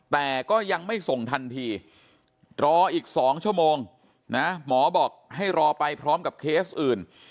แต่ก็ยังไม่ส่งทันทีรออีก๒ชั่วโมงนะหมอบอกให้รอไปพร้อมกับเคสอื่น